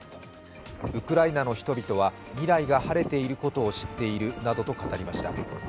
ウクライナの人々は未来が晴れていることを知っているなどと語りました。